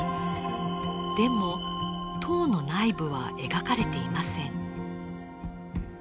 でも塔の内部は描かれていません。